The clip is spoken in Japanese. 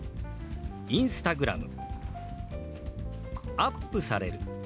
「アップされる」。